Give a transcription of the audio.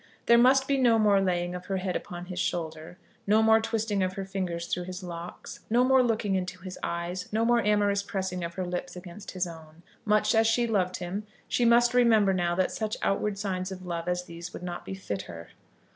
There must be no more laying of her head upon his shoulder, no more twisting of her fingers through his locks, no more looking into his eyes, no more amorous pressing of her lips against his own. Much as she loved him she must remember now that such outward signs of love as these would not befit her.